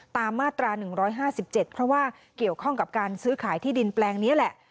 ตามมาตรา๑๕๗เพราะว่าเกี่ยวข้องกับการซื้อขายที่ดินแปลงนี้แหละ